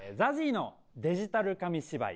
ＺＡＺＹのデジタル紙芝居。